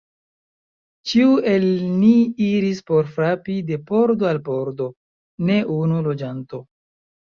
Ĉiu el ni iris por frapi de pordo al pordo: ne unu loĝanto.